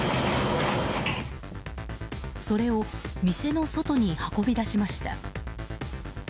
それを、店の外に運び出しました。